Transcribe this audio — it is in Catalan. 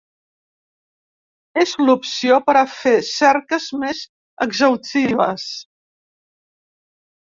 És l’opció per a fer cerques més exhaustives.